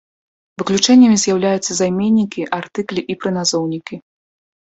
Выключэннямі з'яўляюцца займеннікі, артыклі і прыназоўнікі.